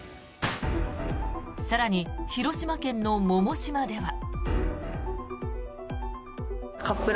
更に、広島県の百島では。